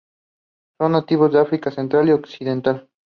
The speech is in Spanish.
Son nativas de África central y occidental.